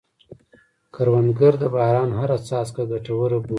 کروندګر د باران هره څاڅکه ګټوره بولي